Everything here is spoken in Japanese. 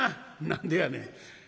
「何でやねん」。